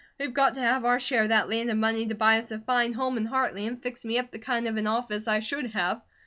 We've got to have our share of that land and money to buy us a fine home in Hartley, and fix me up the kind of an office I should have.